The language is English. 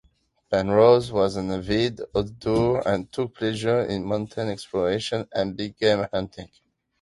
Penrose was an avid outdoorsman and took pleasure in mountain exploration and big-game hunting.